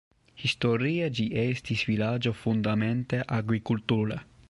Historie ĝi estis vilaĝo fundamente agrikultura.